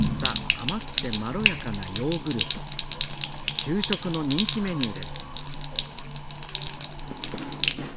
給食の人気メニューです